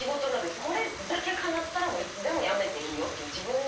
これだけかなったらいつでも辞めていいよっていう。